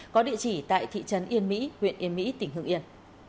có địa chỉ tại thị trấn yên mỹ huyện yên mỹ tỉnh hương yên